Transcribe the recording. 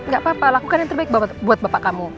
gak apa apa lakukan yang terbaik buat bapak kamu